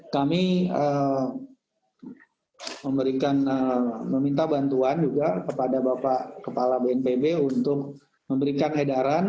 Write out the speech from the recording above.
kami memberikan meminta bantuan juga kepada bapak kepala bnpb untuk memberikan edaran